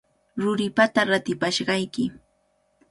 Ruripata ratipashqayki.